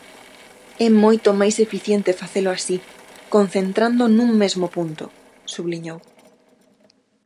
"É moito máis eficiente facelo así, concentrando nun mesmo punto", subliñou.